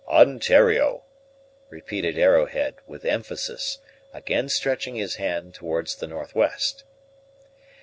"Ontario," repeated Arrowhead, with emphasis, again stretching his hand towards the north west.